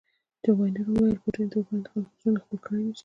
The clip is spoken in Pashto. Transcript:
جو بایډن وویل پوټین د اوکراین خلکو زړونه خپل کړي نه شي.